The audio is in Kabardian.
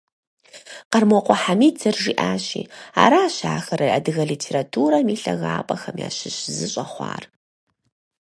Къэрмокъуэ Хьэмид зэрыжиӀащи, аращ ахэр адыгэ литературэм и лъагапӀэхэм ящыщ зы щӀэхъуар.